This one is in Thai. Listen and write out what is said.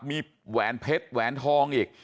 มีแหวนเพชรแหวนทองอีก